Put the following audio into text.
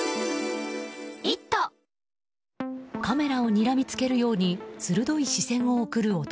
カメラをにらみつけるように鋭い視線を送る男。